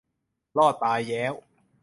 รอดตายแย้ว